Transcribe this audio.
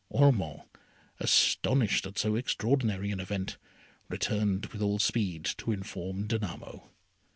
Ormond, astonished at so extraordinary an event, returned with all speed to inform Danamo.